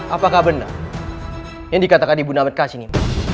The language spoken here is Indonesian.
apakah benar yang dikatakan ibu namedka sini